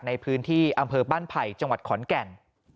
ในพื้นที่อำเภอบ้านไผ่จังหวัดขอนแก่น